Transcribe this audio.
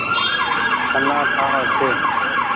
ڇهنآ ٺآڻو ڇي۔